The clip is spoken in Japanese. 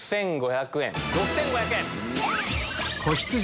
６５００円。